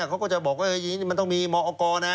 เขาก็จะบอกว่ามันต้องมีมออกออกนะ